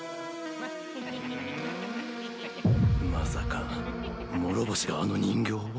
まさか諸星があの人形を？